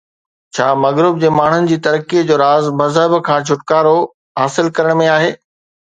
ڇا مغرب جي ماڻهن جي ترقيءَ جو راز مذهب کان ڇوٽڪارو حاصل ڪرڻ ۾ آهي؟